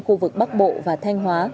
khu vực bắc bộ và thanh hóa